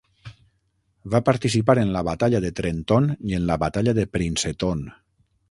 Va participar en la Batalla de Trenton i en la Batalla de Princeton.